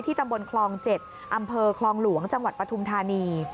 ตำบลคลอง๗อำเภอคลองหลวงจังหวัดปฐุมธานี